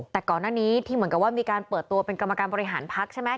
แต่ก่อนหน้านี้ที่เหมือนกับว่ามีการเปิดตัวเป็นกรรมการบริหารพักใช่ไหม